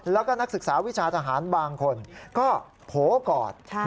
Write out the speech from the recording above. แล้วก็นักศึกษาวิชาทหารบางคนก็โผล่กอด